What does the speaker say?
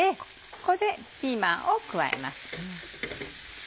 ここでピーマンを加えます。